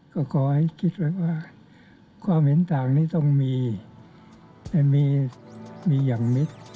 ก็ขอให้คิดไว้ว่าความเห็นต่างนี้ต้องมีให้มีอย่างมิตร